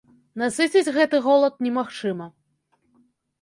Насыціць гэты голад немагчыма.